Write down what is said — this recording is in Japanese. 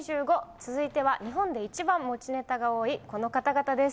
続いては日本で一番持ちネタが多いこの方々です。